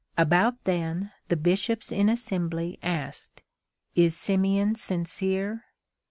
About then the Bishops in assembly asked, "Is Simeon sincere?"